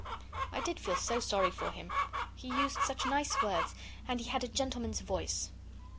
I did feel so sorry for him. He used such nice words, and he had a gentleman's voice.